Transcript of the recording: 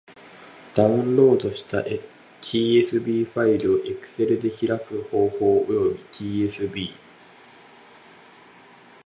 ダウンロードした tsv ファイルを Excel で開く方法及び tsv ...